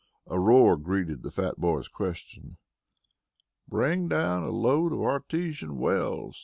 A roar greeted the fat boy's question. "Bring down a load of artesian wells!"